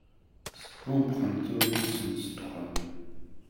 Sbumbxen turin-nsen s ddexxan.